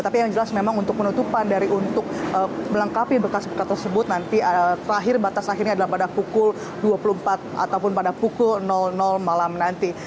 tapi yang jelas memang untuk penutupan dari untuk melengkapi bekas bekas tersebut nanti terakhir batas akhirnya adalah pada pukul dua puluh empat ataupun pada pukul malam nanti